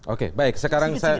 oke baik sekarang saya